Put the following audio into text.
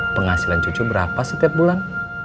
penghasilan cucu berapa setiap bulan